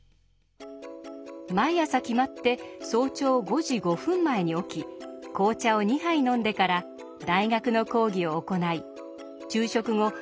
毎朝決まって早朝５時５分前に起き紅茶を２杯飲んでから大学の講義を行い昼食後